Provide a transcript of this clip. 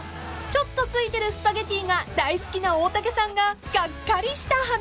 ［ちょっと付いてるスパゲティが大好きな大竹さんががっかりした話］